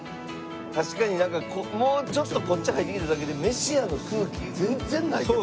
確かになんかもうちょっとこっち入ってきただけで飯屋の空気全然ないけど。